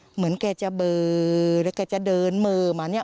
เหมือนแกจะเบอร์หรือแกจะเดินเมอร์มาเนี่ย